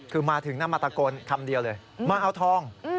คือมาถึงนะมาตะโกนคำเดียวเลยมาเอาทอง